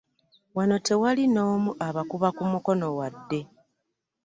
Wano tewaali n'omu abakuba ku mukono wadde.